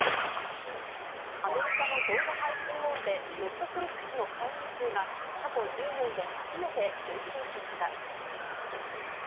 アメリカの動画配信大手、ネットフリックスの会員数が、過去１０年で初めて減少しました。